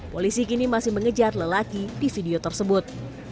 polisi kini masih mengejar lelaki di video tersebut